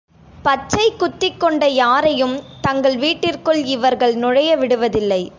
பச்சை குத்திக் கொண்ட யாரையும் தங்கள் வீட்டிற்குள் இவர்கள் நுழைய விடுவதில்லை.